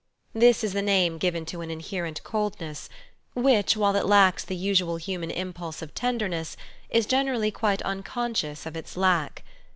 This is the name given to an inherent coldness, which, while it lacks the usual human impulse of tenderness, is generally quite unconscious of its lack.